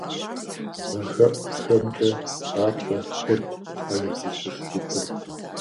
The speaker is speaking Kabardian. Бгъэхэӏухэмкӏэ къапщӏэ хъурт щхьэж зыщыщ гупыр.